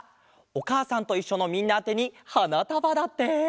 「おかあさんといっしょ」のみんなあてにはなたばだって！